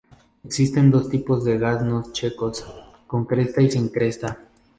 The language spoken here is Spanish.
Existen dos tipos de gansos checos: con cresta y sin cresta.